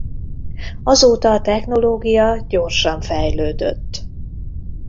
Azóta a technológia gyorsan fejlődött.